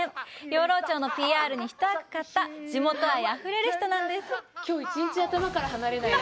養老町のＰＲに一役買った、地元愛あふれる人なんです。